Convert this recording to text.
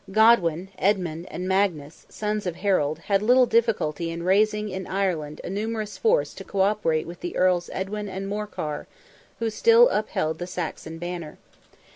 Godwin, Edmund, and Magnus, sons of Harold, had little difficulty in raising in Ireland a numerous force to co operate with the Earls Edwin and Morcar, who still upheld the Saxon banner.